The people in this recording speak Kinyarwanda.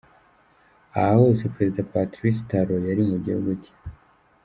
Aha hose Perezida Patrice Talon yari mu gihugu cye